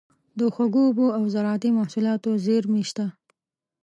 د خوږو اوبو او زارعتي محصولاتو زیرمې شته.